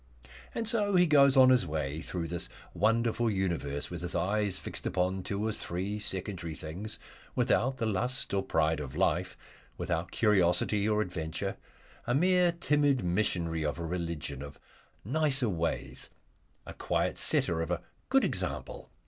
And so he goes on his way through this wonderful universe with his eyes fixed upon two or three secondary things, without the lust or pride of life, without curiosity or adventure, a mere timid missionary of a religion of "Nicer Ways," a quiet setter of a good example.